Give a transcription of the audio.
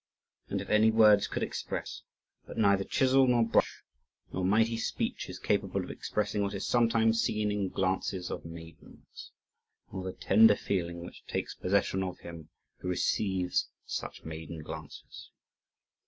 And if any words could express But neither chisel, nor brush, nor mighty speech is capable of expressing what is sometimes seen in glances of maidens, nor the tender feeling which takes possession of him who receives such maiden glances.